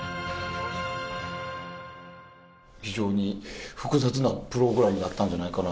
非常に複雑なプログラムだったんじゃないかなと。